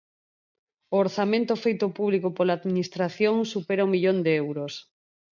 O orzamento feito público pola administración supera o millón de euros.